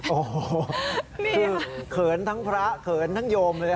โอ้โหนี่คือเขินทั้งพระเขินทั้งโยมเลย